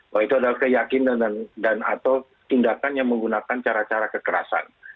bahwa itu adalah keyakinan dan atau tindakan yang menggunakan cara cara kekerasan